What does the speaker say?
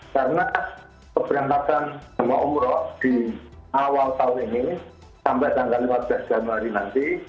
karena pemberantasan semua umroh di awal tahun ini sampai tanggal lima belas januari nanti